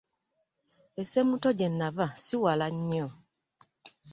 E Ssemuto gye nava si wala nnyo.